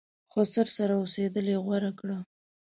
خسر سره اوسېدل یې غوره کړه.